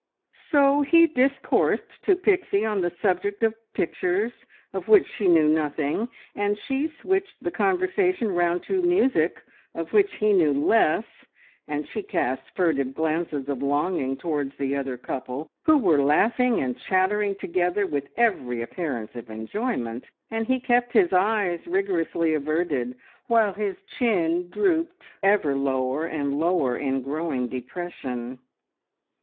So he discoursed to Pixie on the subject of pictures, of which she knew nothing; and she switched the conversation round to music, of which he knew less; and she cast furtive glances of longing towards the other couple, who were laughing and chattering together with every appearance of enjoyment, and he kept his eyes rigorously averted, while his chin drooped ever lower and lower in growing depression.